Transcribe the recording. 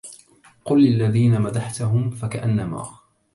قل للذين مدحتهم فكأنما